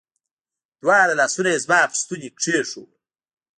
دواړه لاسونه يې زما پر ستوني کښېښوول.